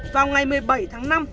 vào ngày một mươi bảy tháng năm